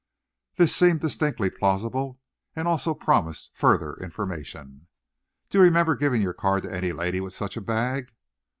This seemed distinctly plausible, and also promised further information. "Do you remember giving your card to any lady with such a bag?"